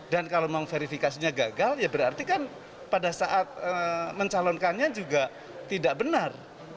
dan kalau verifikasinya gagal ya berarti kan pada saat mencalonkannya juga tidak benar